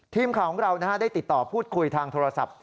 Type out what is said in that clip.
ทีมข่าวของเราได้ติดต่อพูดคุยทางโทรศัพท์